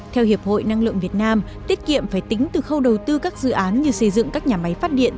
theo hiệp hội năng lượng việt nam tiết kiệm phải tính từ khâu đầu tư các dự án như xây dựng các nhà máy phát điện